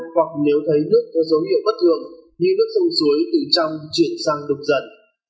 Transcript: hoặc nếu thấy nước có dấu hiệu bất thường như nước sông suối từ trong chuyển sang đục dần